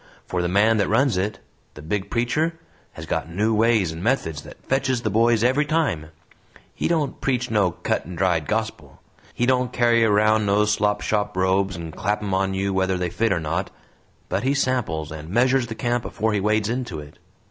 For the man that runs it the big preacher has got new ways and methods that fetches the boys every time. He don't preach no cut and dried gospel; he don't carry around no slop shop robes and clap 'em on you whether they fit or not; but he samples and measures the camp afore he wades into it.